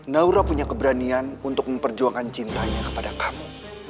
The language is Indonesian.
naura punya keberanian untuk memperjuangkan cintanya kepada kamu